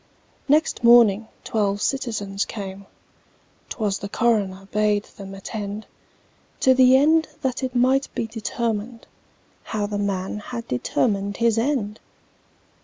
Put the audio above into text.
Next morning twelve citizens came ('Twas the coroner bade them attend), To the end that it might be determined How the man had determined his end!